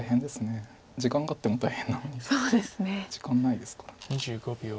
時間があっても大変なのに時間ないですから。